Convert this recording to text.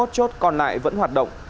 hai mươi một chốt còn lại vẫn hoạt động